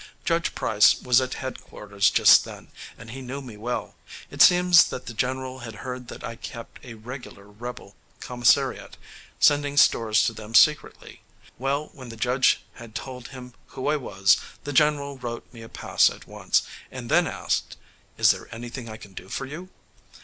Judge Price was at head quarters just then, and he knew me well. It seems that the general had heard that I kept a regular rebel commissariat, sending stores to them secretly. Well, when the judge had told him who I was, the general wrote me a pass at once, and then asked, 'Is there anything I can do for you?'